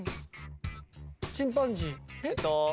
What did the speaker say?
チンパンジーえっ？